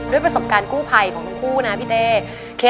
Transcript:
ด้วยประสบการณ์กู้ไพ่ของคุณพูดนะพี่เต๋